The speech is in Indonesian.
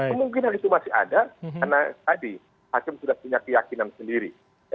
kemungkinan itu masih ada karena tadi hakim sudah punya keyakinan sendiri